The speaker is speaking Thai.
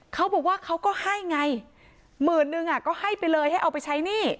เขาบอกว่าเขาก็ให้ไงหมื่นนึงก็ให้ไปเลยให้เอาไปใช้หนี้